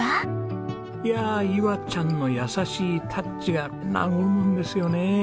いやいわちゃんの優しいタッチが和むんですよね。